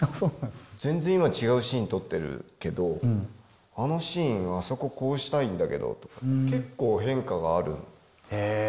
全然今、違うシーン撮ってるけど、あのシーンはあそここうしたいんだけどとか、結構変化があるんですよね。